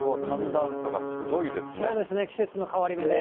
そうですね、季節の変わり目で。